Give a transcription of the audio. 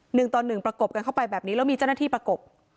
หนึ่งต่อหนึ่งประกบกันเข้าไปแบบนี้แล้วมีเจ้าหน้าที่ประกบ